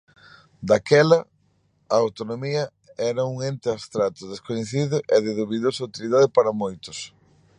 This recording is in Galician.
Daquela, a autonomía era un ente abstracto, descoñecido e de dubidosa utilidade para moitos.